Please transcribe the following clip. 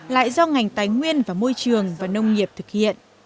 lại do ngành tài nguyên và môi trường và nông nghiệp thực hiện